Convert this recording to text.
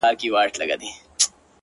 ماته خو اوس هم گران دى اوس يې هم يادوم!